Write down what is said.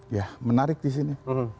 ya menarik disini